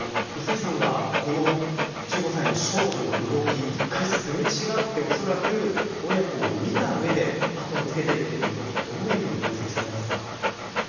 碓井さんはこの１５歳の少女の動き一回すれ違って、おそらく親子を見た上で、後をつけていたという動きどういうふうに分析されますか。